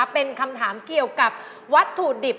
เป็นคำถามเกี่ยวกับวัตถุดิบ